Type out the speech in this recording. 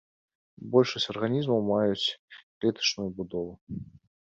Большасць арганізмаў маюць клетачную будову.